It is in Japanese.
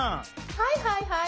はいはいはい？